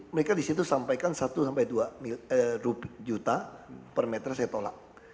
mereka disitu sampaikan satu sampai dua juta per meter saya tolak